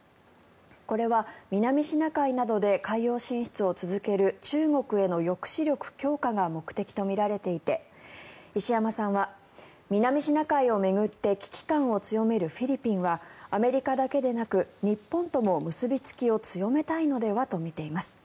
これは南シナ海などで海洋進出を続ける中国への抑止力強化が目的とみられていて石山さんは南シナ海を巡って危機感を強めるフィリピンはアメリカだけでなく日本とも結びつきを強めたいのではとみています。